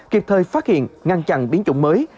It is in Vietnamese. đồng thời phát hiện ngăn chặn biến chủng mới